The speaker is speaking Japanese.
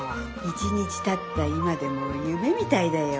１日たった今でも夢みたいだよ。